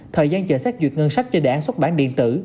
thời gian chờ xét duyệt ngân sách cho đảng xuất bản điện tử